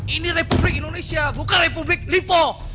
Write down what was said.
ini republik indonesia bukan republik lipo